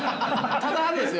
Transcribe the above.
ただですよ。